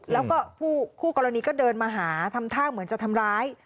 แล้วก็คู่กรณีก็เดินมาหาทำท่าเหมือนจะทำร้าย